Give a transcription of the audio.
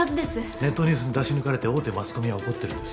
ネットニュースに出し抜かれて大手マスコミは怒ってるんです